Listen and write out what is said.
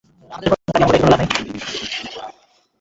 বর্ষার মালাবার নামটি মালাবার উপকূলের বর্ষার বাতাসের সংস্পর্শে এসেছে।